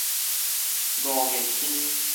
五月天